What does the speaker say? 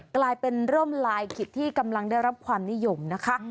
กลายเป็นร่มลายขิดที่กำลังได้รับความนิยมนะคะ